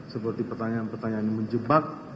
seperti pertanyaan pertanyaan yang menjebak